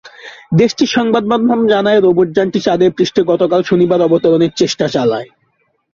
দেশটির সংবাদমাধ্যম জানায়, রোবটযানটি চাঁদের পৃষ্ঠে গতকাল শনিবার অবতরণের চেষ্টা চালায়।